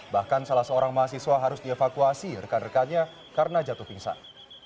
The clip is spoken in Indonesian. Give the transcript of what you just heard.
bahkan salah seorang mahasiswa harus dievakuasi rekan rekannya karena jatuh pingsan